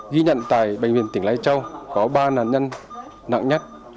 ghi nhận tại bệnh viện tỉnh lai châu có ba nạn nhân nặng nhất